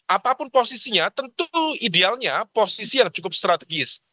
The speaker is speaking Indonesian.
apapun posisinya tentu idealnya posisi yang cukup strategis